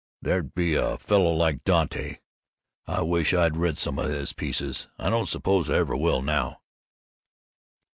There'd be A fellow like Dante I wish I'd read some of his pieces. I don't suppose I ever will, now."